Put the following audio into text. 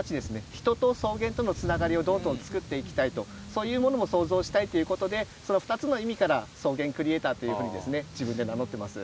人と草原とのつながりをどんどん作っていきたいとそういうものを創造したいのでその２つの意味から草原クリエーターというふうに自分で名乗っています。